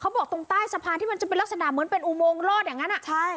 บอกตรงใต้สะพานที่มันจะเป็นลักษณะเหมือนเป็นอุโมงรอดอย่างนั้นอ่ะใช่